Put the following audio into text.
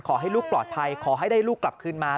ขอให้ลูกปลอดภัยขอให้ได้ลูกกลับคืนมา